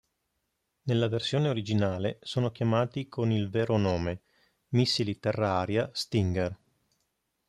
Nella versione originale sono chiamati con il vero nome: missili terra-aria "Stinger".